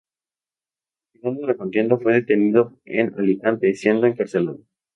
Al final de la contienda fue detenido en Alicante, siendo encarcelado.